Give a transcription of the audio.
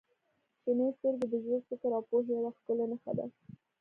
• شنې سترګې د ژور فکر او پوهې یوه ښکلې نښه دي.